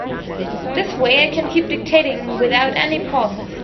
This way I can keep dictating without any pauses.